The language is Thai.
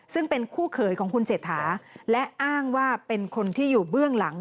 ซึ่งเป็นคู่เขยของคุณเศรษฐาและอ้างว่าเป็นคนที่อยู่เบื้องหลัง